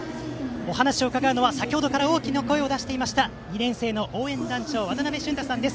お話を伺うのは先程から大きな声を出していた２年生の応援団長わたなべしゅんたさんです。